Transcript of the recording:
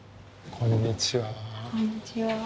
こんにちは。